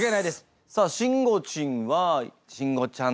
さあしんごちんは慎吾ちゃん